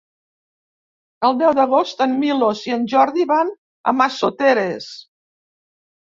El deu d'agost en Milos i en Jordi van a Massoteres.